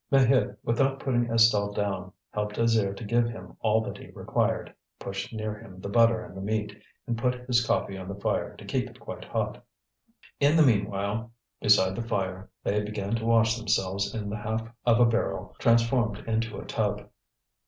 Maheude, without putting Estelle down, helped Alzire to give him all that he required, pushed near him the butter and the meat, and put his coffee on the fire to keep it quite hot. In the meanwhile, beside the fire, they began to wash themselves in the half of a barrel transformed into a tub.